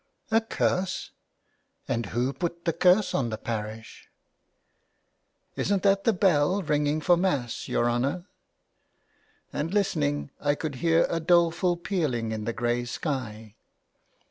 " A curse ! And who put the curse on the parish ?"'' Isn't that the bell ringing for Mass, your honour ?" And listening I could hear a doleful pealing in the grey sky.